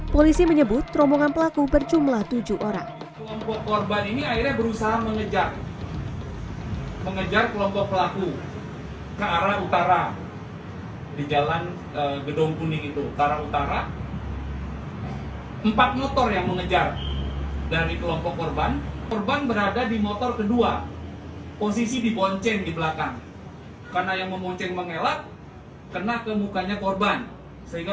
polisi menyebut rombongan pelaku berjumlah tujuh orang